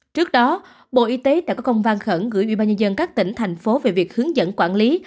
trước đó bộ y tế đã có công văn khẩn gửi ubnd các tỉnh thành phố về việc hướng dẫn quản lý